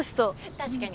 確かに。